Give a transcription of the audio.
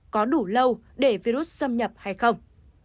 có đủ lâu để virus xâm nhập hay không